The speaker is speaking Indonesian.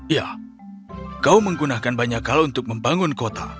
ya kau menggunakan banyak hal untuk membangun kota